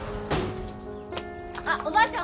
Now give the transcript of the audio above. あっおばあちゃん